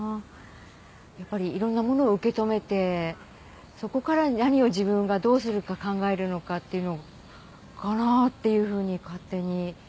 やっぱりいろんなものを受け止めてそこから何を自分がどうするか考えるのかっていうのかなっていうふうに勝手に。